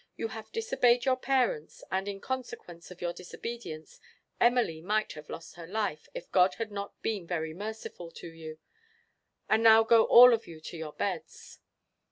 You have disobeyed your parents; and, in consequence of your disobedience, Emily might have lost her life, if God had not been very merciful to you. And now go all of you to your beds."